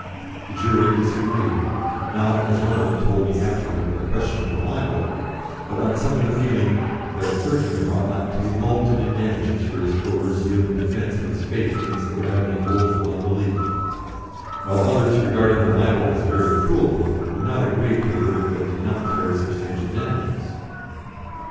The jury disagreed, not, as one of them told me afterwards, on the question of the libel, but on some feeling that a clergyman ought not to be mulcted in damages for his over zeal in defence of his faith against the ravening wolf of unbelief, while others, regarding the libel as a very cruel one, would not agree to a verdict that did not carry substantial damages.